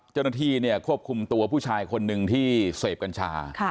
เจ้าหน้าที่เนี่ยควบคุมตัวผู้ชายคนหนึ่งที่เสพกัญชา